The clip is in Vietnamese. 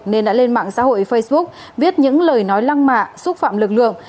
nên đã lên mạng xã hội facebook viết những lời nói lăng mạ xúc phạm lực lượng